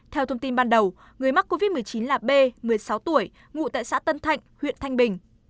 theo thông tin ban đầu người mắc covid một mươi chín là b một mươi sáu tuổi ngụ tại xã tân thạnh huyện thanh bình